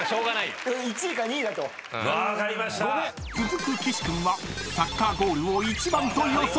［続く岸君はサッカーゴールを１番と予想］